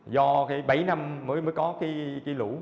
do bảy năm mới có cái lũ